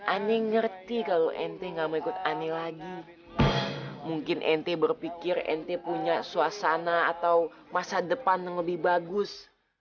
any ngerti kalau enti gak mau ikut ani lagi mungkin ente berpikir enti punya suasana atau masa depan yang lebih bagus